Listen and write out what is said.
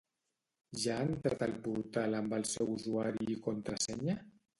Ja ha entrat al portal amb el seu usuari i contrasenya?